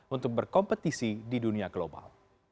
untuk berkompetisi di dunia global